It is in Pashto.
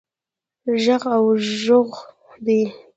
ږغ او ږوغ دی.